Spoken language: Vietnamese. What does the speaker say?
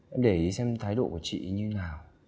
em để ý xem thái độ của chị như nào